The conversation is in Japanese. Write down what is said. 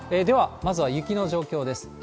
では、まずは雪の状況です。